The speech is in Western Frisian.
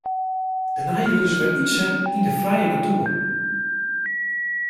Dêrnei wurde se wer útset yn de frije natuer.